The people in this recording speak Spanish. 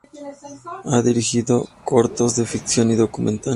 Ha dirigido cortos de ficción y documentales.